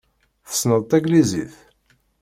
Tessneḍ taglizit?